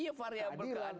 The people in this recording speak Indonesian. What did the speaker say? iya variabel keadilan